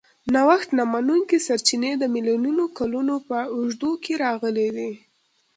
نوښت نه منونکي سرچینې د میلیونونو کالونو په اوږدو کې راغلي دي.